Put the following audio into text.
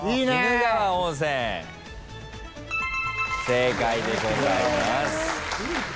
正解でございます。